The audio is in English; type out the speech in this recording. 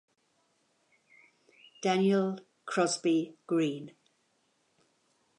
Daniel Crosby Greene.